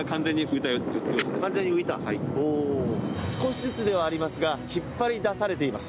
少しずつではありますが引っ張り出されています。